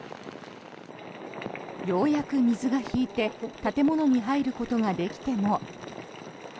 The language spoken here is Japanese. ようやく水が引いて建物に入ることができても。